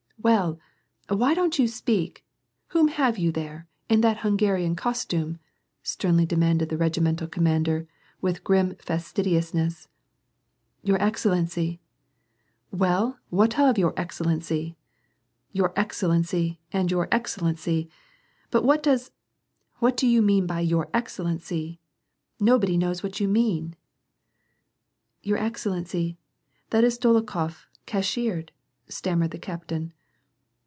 "Well, why don't you speak? Whom have you there, m that Hungarian costume ?" sternly demanded the regimental commander, with grim facetiousness. " Your excellency "— n •, j "Well what of your excellency? 'Your excellency! and *youT excellency!' But what does — do you mean by 'your excellency '?* Nobody knows what you mean !" "Your excellency, that is Dolokhof, cashiered," stammered the captain.